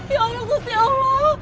ya allah gus ya allah